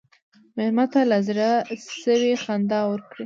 مېلمه ته له زړه سوي خندا ورکړه.